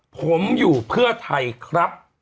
ผมอยู่เพื่อไทยครับ